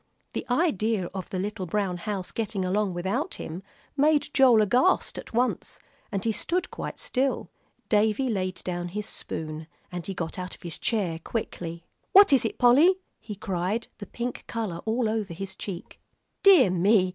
The idea of the little brown house getting along without him made Joel aghast at once, and he stood quite still. Davie laid down his spoon, and got out of his chair quickly. "What is it, Polly?" he cried, the pink color all over his cheek. "Dear me!"